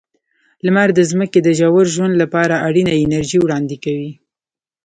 لمر د ځمکې د ژور ژوند لپاره اړینه انرژي وړاندې کوي.